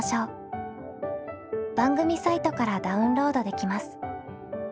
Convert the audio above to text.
番組サイトからダウンロードできます。